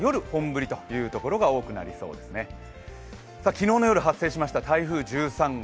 昨日の夜発生しました台風１３号。